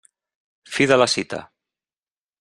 Fi de la cita.